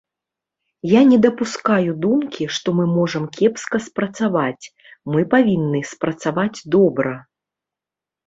Я не дапускаю думкі, што мы можам кепска спрацаваць, мы павінны спрацаваць добра.